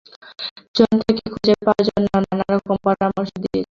জয়ন্তকে খুঁজে পাওয়ার জন্য নানা পরামর্শ দিয়েছে।